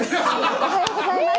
おはようございます。